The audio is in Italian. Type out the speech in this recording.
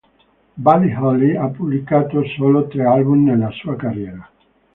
Buddy Holly ha pubblicato solo tre album nella sua carriera.